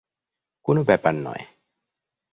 কোনো ব্যাপার নয়।